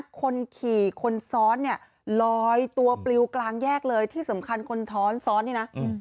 คนขี่คนซ้อนเนี่ยลอยตัวปลิวกลางแยกเลยที่สำคัญคนท้อนซ้อนนี่นะ